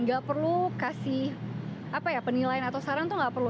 gak perlu kasih penilaian atau saran itu gak perlu